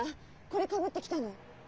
これかぶってきたの。